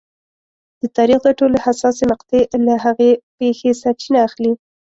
د تاریخ دا ټولې حساسې مقطعې له هغې پېښې سرچینه اخلي.